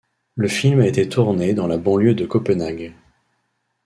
Le film a été tourné dans la banlieue de Copenhague.